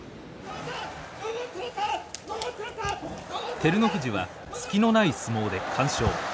照ノ富士は隙のない相撲で完勝。